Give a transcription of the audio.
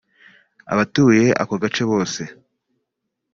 Abatuye ako gace bose